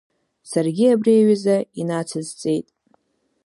Саргьы абри аҩыза инацысҵеит.